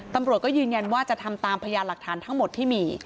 ตำรวจก็ยืนยันว่าจะทำตามพยานหลักฐานทั้งหมดที่มี